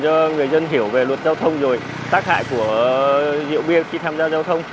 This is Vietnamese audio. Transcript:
cho người dân hiểu về luật giao thông rồi tác hại của rượu bia khi tham gia giao thông